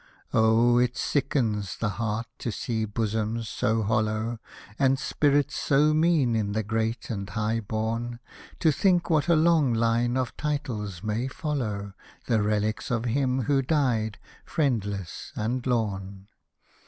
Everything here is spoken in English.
Oh I it sickens the heart to see bosoms so hollow. And spirits so mean in the great and high born ; To think what a long line of titles may follow The relics of him who died — friendless and lorn